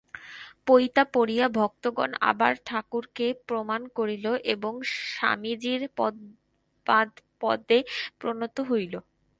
পৈতা পরিয়া ভক্তগণ আবার ঠাকুরকে প্রণাম করিল, এবং স্বামীজীর পাদপদ্মে প্রণত হইল।